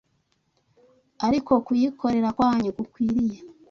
ariko kuyikorera kwanyu gukwiriye